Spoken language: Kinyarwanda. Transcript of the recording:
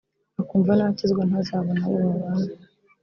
akumva nakizwa ntazabona abo babana